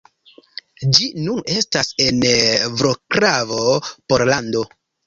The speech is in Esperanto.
Ĝi nun estas en Vroclavo, Pollando.